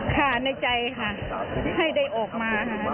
ค่ะในใจค่ะให้ได้ออกมาค่ะ